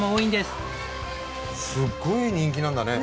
すごい人気なんだね。